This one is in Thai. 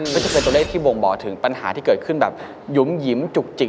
ก็จะเป็นตัวเลขที่บ่งบอกถึงปัญหาที่เกิดขึ้นแบบหยุ่มหยิมจุกจิก